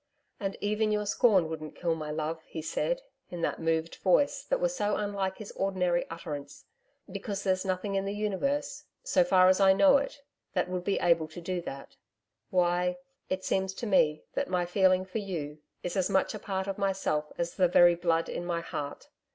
'And even your scorn wouldn't kill my love,' he said, in that moved voice that was so unlike his ordinary utterance 'because there's nothing in the Universe, so far as I know it, that would be able to do that. Why, it seems to me that my feeling for you is as much a part of myself as the very blood in my heart.